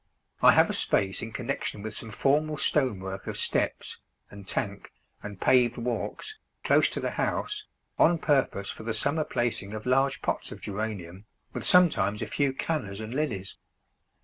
I have a space in connection with some formal stonework of steps, and tank, and paved walks, close to the house, on purpose for the summer placing of large pots of Geranium, with sometimes a few Cannas and Lilies.